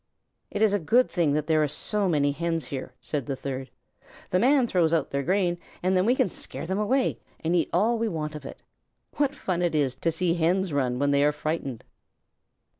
"It is a good thing that there are so many Hens here," said the third. "The Man throws out their grain and then we can scare them away and eat all we want of it. What fun it is to see Hens run when they are frightened!"